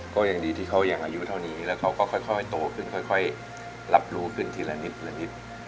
ก็ยังดีที่เขายังอายุเท่านี้แล้วเขาก็ค่อยโตขึ้นค่อยรับรู้ขึ้นทีละนิดละนิด